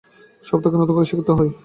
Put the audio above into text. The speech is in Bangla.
সব তাকে নতুন করে শিখতে হয়।